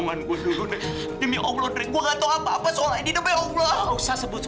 gustaf itu kipas anginnya mati